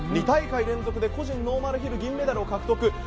２大会連続で個人ノーマルヒル銀メダルを獲得。